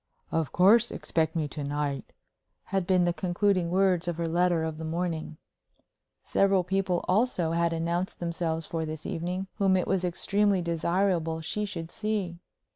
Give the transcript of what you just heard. "Of course, expect me to night," had been the concluding words of her letter of the morning. Several people also had announced themselves for this evening whom it was extremely desirable she should see.